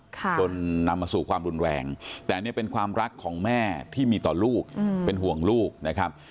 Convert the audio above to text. จนนำมาสู่ความรุนแรงแต่นี่เป็นความรักของแม่ที่มีต่อลูกเป็นห่วงลูกนะครับ